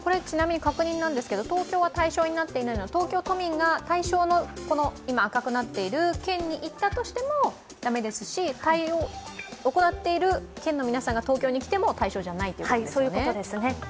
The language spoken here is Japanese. ちなみに確認なんですが、東京が対象になっていないのは東京都民が対象の、赤くなっている県に行ったとしても駄目ですし、行っている県の皆さんが東京に来ても対象じゃないということですね？